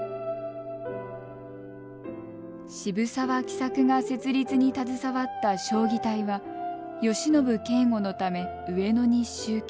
渋沢喜作が設立に携わった彰義隊は慶喜警護のため上野に集結。